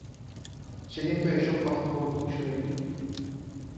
সেদিন তো এ-সব কথা কোনোদিন শুনি নি।